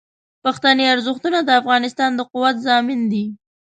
پښتني ارزښتونه د افغانستان د قوت ضامن دي.